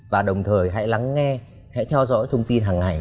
và đồng thời hãy lắng nghe hãy theo dõi thông tin hàng ngày